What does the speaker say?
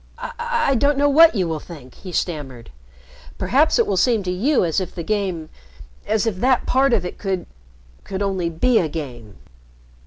"I don't know what you will think," he stammered. "Perhaps it will seem to you as if the game as if that part of it could could only be a game."